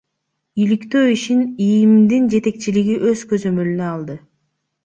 Иликтөө ишин ИИМдин жетекчилиги өз көзөмөлүнө алды.